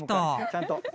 ちゃんと。